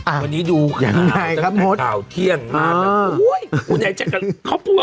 อ่าอย่างไหนครับหมดวันนี้ดูข่าวเที่ยงมากโอ๊ยคุณใหญ่แจ๊กกับข้อปลูก